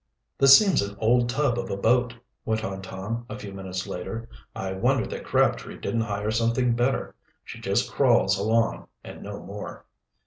"This seems an old tub of a boat," went on Tom, a few minutes later. "I wonder that Crabtree didn't hire something better. She just crawls along, and no more."